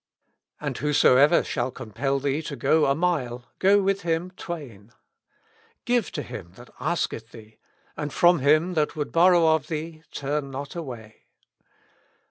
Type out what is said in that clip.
And whosoever shall compel thee to go a mile, go with him twain. Give to him that asketh thee, and from him that would borrow of thee, turn not thou away.